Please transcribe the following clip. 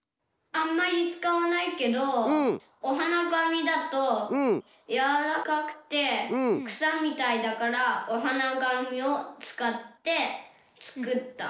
あんまりつかわないけどおはながみだとやわらかくてくさみたいだからおはながみをつかってつくった。